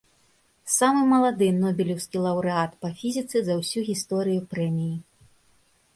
Самы малады нобелеўскі лаўрэат па фізіцы за ўсю гісторыю прэміі.